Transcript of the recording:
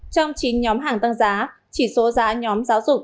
trong chín nhóm hàng tăng giá chỉ số giá nhóm giáo dục